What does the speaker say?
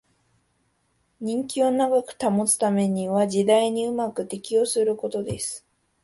人気を長く保つためには時代にうまく適応することです